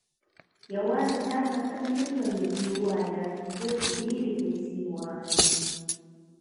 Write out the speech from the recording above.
يوازې دا بسنه نه کوي چې وواياست زه ډېرې پيسې غواړم.